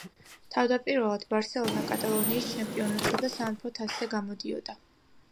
თავდაპირველად „ბარსელონა“ კატალონიის ჩემპიონატსა და სამეფო თასზე გამოდიოდა.